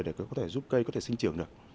để có thể giúp cây có thể sinh trưởng được